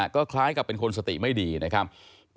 ก็คล้ายกับเป็นคนสติไม่ดีนะครับ